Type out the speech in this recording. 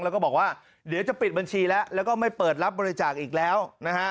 แล้วก็บอกว่าเดี๋ยวจะปิดบัญชีแล้วแล้วก็ไม่เปิดรับบริจาคอีกแล้วนะฮะ